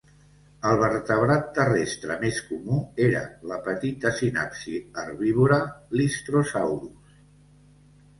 El vertebrat terrestre més comú era la petita sinapsi herbívora "Lystrosaurus".